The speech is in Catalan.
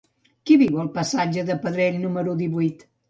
Qui viu al passatge de Pedrell número divuit?